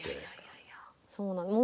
いやいやそうなんです。